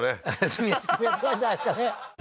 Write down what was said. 炭焼きもやってたんじゃないですかね？